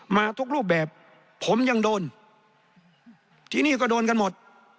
มาทุกรูปแบบผมยังโดนที่นี่ก็โดนกันหมด